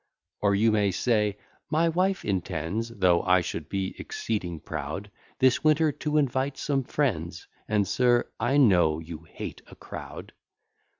Or you may say "My wife intends, Though I should be exceeding proud, This winter to invite some friends, And, sir, I know you hate a crowd."